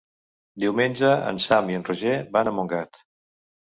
Diumenge en Sam i en Roger van a Montgat.